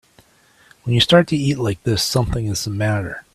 When you start to eat like this something is the matter.